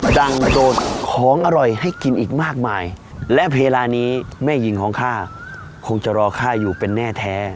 โด่งโดดของอร่อยให้กินอีกมากมายและเวลานี้แม่หญิงของข้าคงจะรอค่าอยู่เป็นแน่แท้